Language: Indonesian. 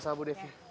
sama sama bu devi